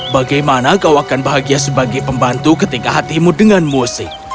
bagaimana kau akan bahagia sebagai pembantu ketika hatimu dengan musik